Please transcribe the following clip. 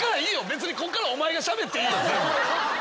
別にこっからお前がしゃべっていいよ全部。